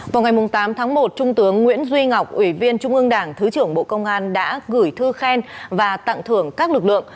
vào ngày tám tháng một trung tướng nguyễn duy ngọc ủy viên trung ương đảng thứ trưởng bộ công an đã gửi thư khen và tặng thưởng các lực lượng